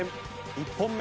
１本目。